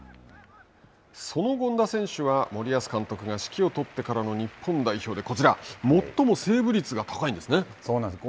その権田選手は森保監督が指揮を執ってからの日本代表で、こちら、そうなんです。